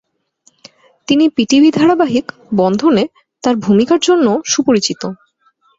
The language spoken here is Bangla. তিনি পিটিভি ধারাবাহিক "বন্ধনে" তার ভূমিকার জন্যও সুপরিচিত।